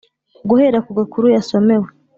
-guhera ku gakuru yasomewe,